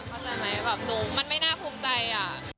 เข้าใจไหมแบบหนูมันไม่น่าภูมิใจอะ